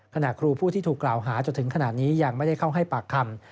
ขณะครูผู้ที่ถูกกล่าวหาจนถึงขณะนี้ยังไม่ได้เข้าให้ปากคำ